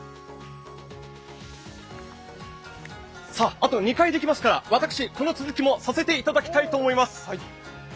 あと２回できますから、私、この続きもさせていただきたいと思います。